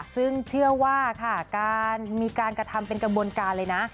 ซึ่งเชื่อว่าค่ะการมีการกระทำเป็นกระบวนการเลยนะ